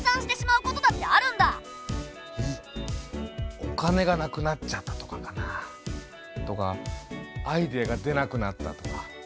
お金がなくなっちゃったとかかなぁ。とかアイデアが出なくなったとか。